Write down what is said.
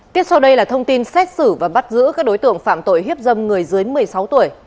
tiếp sau đây là thông tin xét xử và bắt giữ các đối tượng phạm tội hiếp dâm người dưới một mươi sáu tuổi